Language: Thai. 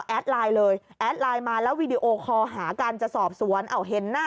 แอนด์ไลน์มาแล้ววิดีโอคอหากันจะสอบสวน